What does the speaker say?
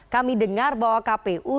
kami dengar bahwa kpu